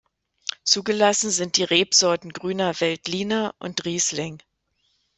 Zugelassen sind die Rebsorten Grüner Veltliner und Riesling.